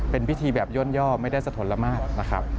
เป็นพิธีแบบย่นย่อไม่ได้สะทนละมากนะครับ